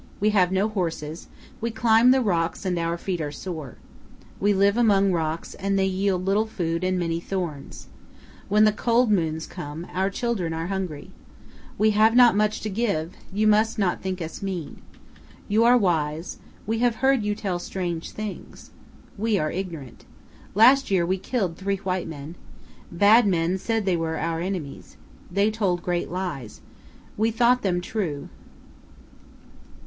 We have no horses; we climb the rocks and our feet are sore. We live among rocks and they yield little food and many thorns. When the cold moons come, our children are hungry. We have not much to give; you must not think us mean. You are wise; we have heard you tell strange things. We are ignorant. Last year we killed three white men. Bad men said they were our enemies. They told great lies. We thought them true.